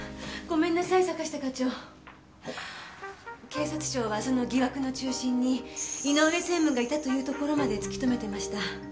警察庁はその疑惑の中心に井上専務がいたというところまで突き止めてました。